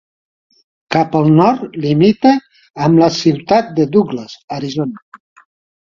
Cap al nord limita amb la ciutat de Douglas, Arizona.